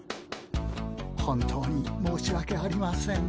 本当に申しわけありません。